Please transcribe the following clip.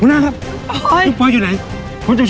ว้าว